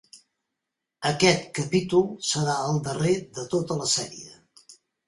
Aquest capítol serà el darrer de tota la sèrie.